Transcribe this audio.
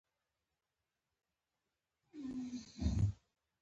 افغانستان د غزني په برخه کې یو ډیر لوړ نړیوال شهرت لري.